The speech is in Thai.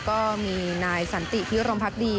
ก็มีนายสันติพิรมพักดี